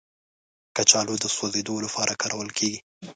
کچالو د سوځیدو لپاره کارول کېږي